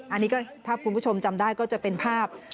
อันนี้ก็ถ้าคุณผู้ชมจำได้ก็จะเป็นภาพ